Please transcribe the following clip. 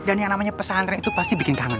dan yang namanya pesantren itu pasti bikin kaman